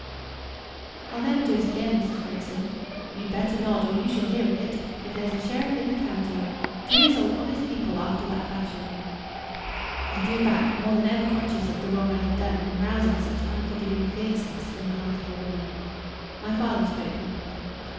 "I'll never do it again, Mrs. Gregson." "You'd better not, or you shall hear of it, if there's a sheriff in the county. To insult honest people after that fashion!" I drew back, more than ever conscious of the wrong I had done in rousing such unforgiving fierceness in the heart of a woman. My father spoke now.